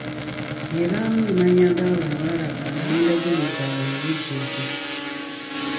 Ebaamu amannya g'abo abalagaana n'endagiriro zaabwe mu bujjuvu.